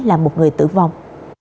làm một người tử vong